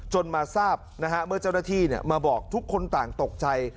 มาทราบนะฮะเมื่อเจ้าหน้าที่มาบอกทุกคนต่างตกใจ